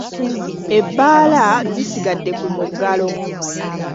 Ebbaala zisigadde ku muggalo.